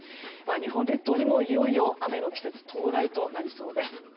日本列島にもいよいよ雨の季節到来となりそうです。